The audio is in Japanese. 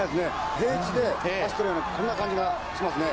平地で走っているような、そんな感じがしますよね。